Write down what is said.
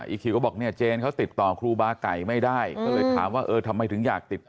อีกคิวก็บอกเนี่ยเจนเขาติดต่อครูบาไก่ไม่ได้ก็เลยถามว่าเออทำไมถึงอยากติดต่อ